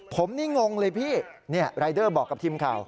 ผมนี่งงเลยพี่รายเดอร์บอกกับทีมข่าว